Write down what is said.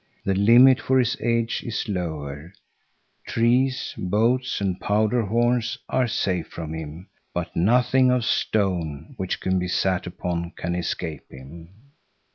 The limit for his age is lower; trees, boats and powder horns are safe from him, but nothing of stone which can be sat upon can escape him.